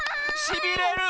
しびれる！